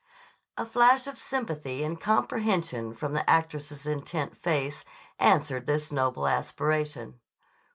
A flash of sympathy and comprehension from the actress's intent face answered this noble aspiration.